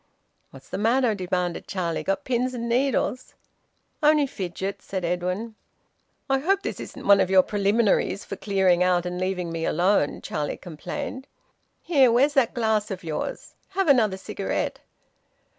"What's the matter?" demanded Charlie. "Got pins and needles?" "Only fidgets," said Edwin. "I hope this isn't one of your preliminaries for clearing out and leaving me alone," Charlie complained. "Here where's that glass of yours? Have another cigarette."